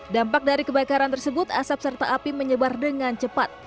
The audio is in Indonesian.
dampak dari kebakaran tersebut asap serta api menyebar dengan cepat